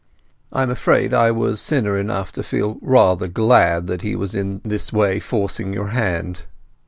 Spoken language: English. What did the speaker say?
I am afraid I was sinner enough to feel rather glad that he was in this way forcing your hand."